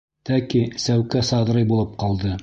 Тәки Сәүкә Саҙрый булып ҡалды.